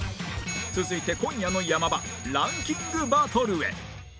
続いて今夜の山場ランキングバトルへ！